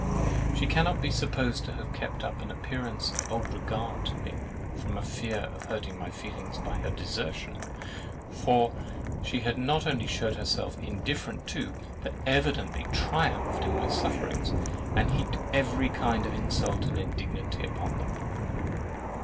She cannot be supposed to have kept up an appearance of old regard to me, from a fear of hurting my feelings by her desertion; for she not only shewed herself indifferent to, but evidently triumphed in my sufferings, and heaped every kind of insult and indignity upon them.